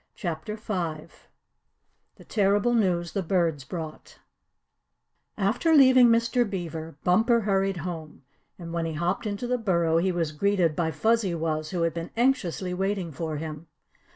STORY V THE TERRIBLE NEWS THE BIRDS BROUGHT After leaving Mr. Beaver, Bumper hurried home, and when he hopped into the burrow he was greeted by Fuzzy Wuzz who had been anxiously waiting for him.